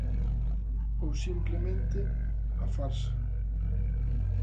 Ou, simplemente, a farsa.